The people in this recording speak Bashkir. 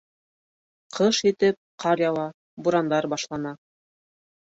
Ҡыш етеп, ҡар яуа, бурандар башлана.